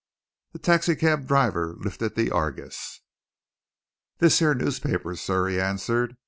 The taxi cab driver lifted the Argus. "This here newspaper, sir," he answered.